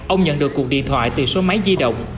ông nhận được cuộc điện thoại từ số máy di động